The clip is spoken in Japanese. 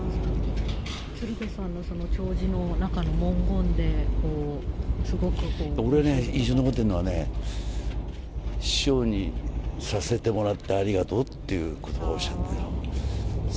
鶴瓶さんのその弔辞の中の文言で、俺ね、印象に残ってるのはね、師匠にさせてもらってありがとうっていうことばでしたね。